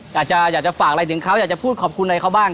อยากจะฝากอะไรถึงเขาอยากจะพูดขอบคุณอะไรเขาบ้าง